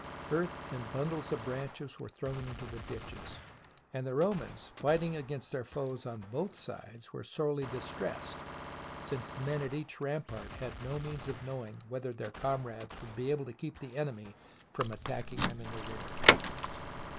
Earth and bundles of branches were thrown into the ditches, and the Romans, fighting against their foes on both sides, were sorely distressed, since the men at each rampart had no means of knowing whether their comrades would be able to keep the enemy from attacking them in the rear.